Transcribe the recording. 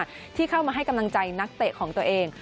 ที่เข้ามาให้กำลังใจนักเตะของตัวเอง